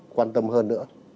quan tâm hơn nữa